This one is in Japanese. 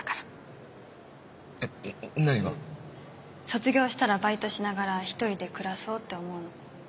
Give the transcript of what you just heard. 卒業したらバイトしながら１人で暮らそうって思うの。